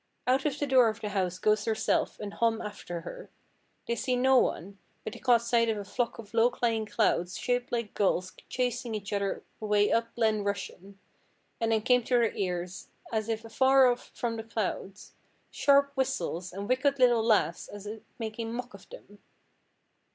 Out of the door of the house goes Herself, and Hom after her; they see no one, but they caught sight of a flock of low lying clouds shaped like gulls chasing each other away up Glen Rushen, and then came to their ears, as if afar off from the clouds, sharp whistles and wicked little laughs as if making mock of them.